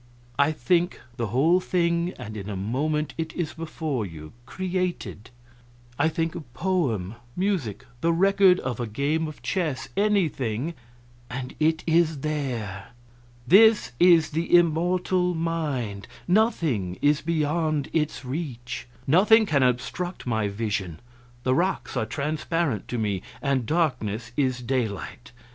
I think the whole thing, and in a moment it is before you created. "I think a poem, music, the record of a game of chess anything and it is there. This is the immortal mind nothing is beyond its reach. Nothing can obstruct my vision; the rocks are transparent to me, and darkness is daylight.